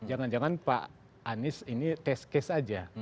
jangan jangan pak anies ini test case saja